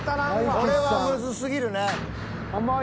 これはむずすぎるね。